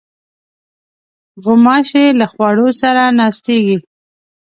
غوماشې له خوړو سره ناستېږي.